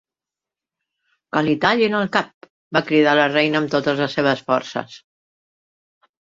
"Que li tallin el cap!", va cridar la Reina amb totes les seves forces.